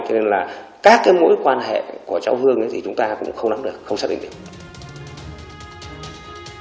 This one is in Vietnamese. cho nên là các cái mối quan hệ của cháu hương thì chúng ta cũng không nắm được không xác định được